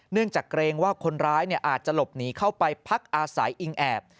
จากเกรงว่าคนร้ายอาจจะหลบหนีเข้าไปพักอาศัยอิงแอบ